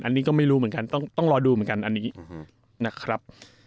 อันนี้ก็ไม่รู้เหมือนกันต้องรอดูเหมือนกันอันนี้นะครับ